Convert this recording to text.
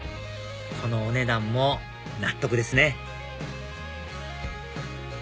このお値段も納得ですね